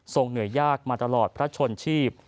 เหนื่อยยากมาตลอดพระชนชีพ